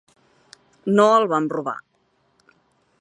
No el vam robar.